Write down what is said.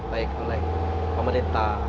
baik oleh pemerintah